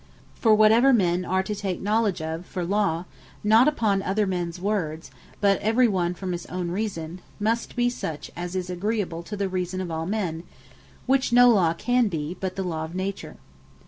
For whatsoever men are to take knowledge of for Law, not upon other mens words, but every one from his own reason, must be such as is agreeable to the reason of all men; which no Law can be, but the Law of Nature.